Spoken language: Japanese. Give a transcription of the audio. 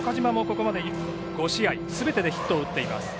この５試合すべてヒットを打っています。